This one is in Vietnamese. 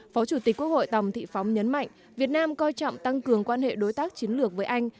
phó chủ tịch quốc hội tòng thị phóng nhấn mạnh việt nam coi trọng tăng cường quan hệ đối tác chiến lược với anh